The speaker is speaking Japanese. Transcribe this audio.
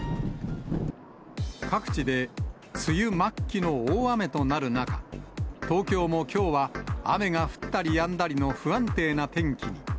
各地で梅雨末期の大雨となる中、東京もきょうは雨が降ったりやんだりの不安定な天気に。